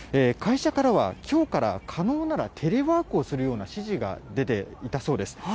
会社からはきょうから可能ならテレワークをするような指示が出ていたそうです。